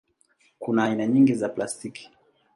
Kuna aina nyingi za plastiki.